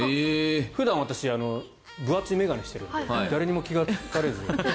普段、私分厚い眼鏡しているので誰にも気がつかれず。